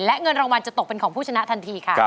และเงินรางวัลจะตกเป็นของผู้ชนะทันทีค่ะ